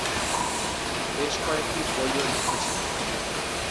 বেশ কয়েকটি বইও লিখেছিলেন।